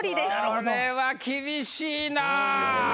これは厳しいな。